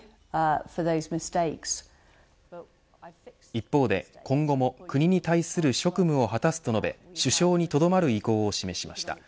一方で今後も国に対する職務も果たすと述べ首相にとどまる意向を示しました。